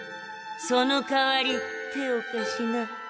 そのかわり手を貸しな。